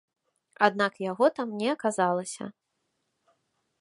Аднак яго там не аказалася.